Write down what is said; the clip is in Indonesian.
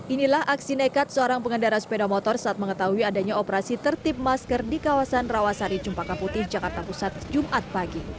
inilah aksi nekat seorang pengendara sepeda motor saat mengetahui adanya operasi tertip masker di kawasan rawasari cempaka putih jakarta pusat jumat pagi